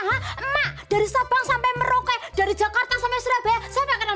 hai mbak dari sebang sampai merauke dari jakarta semestinya saya pernah